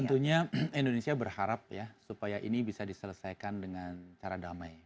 tentunya indonesia berharap ya supaya ini bisa diselesaikan dengan cara damai